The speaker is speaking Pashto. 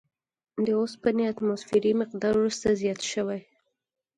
د اوسپنې اتوموسفیري مقدار وروسته زیات شوی.